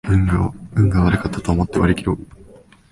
運が悪かったと思って割りきろう